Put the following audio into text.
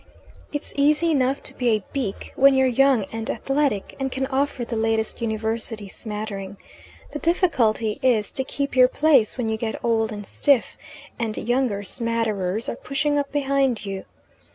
It's easy enough to be a beak when you're young and athletic, and can offer the latest University smattering. The difficulty is to keep your place when you get old and stiff, and younger smatterers are pushing up behind you.